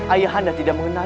ayah anda tidak mengenaliku